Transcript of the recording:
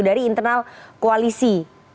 dari internal koalisi